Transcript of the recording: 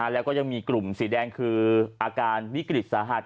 แล้วก็ยังมีกลุ่มสีแดงคืออาการวิกฤตสาหัส